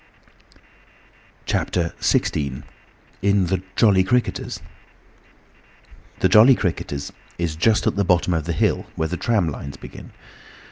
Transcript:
CHAPTER XVI. IN THE "JOLLY CRICKETERS" The "Jolly Cricketers" is just at the bottom of the hill, where the tram lines begin.